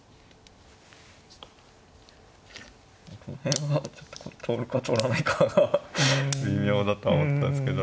この辺はちょっと通るか通らないかは微妙だとは思ったんですけど。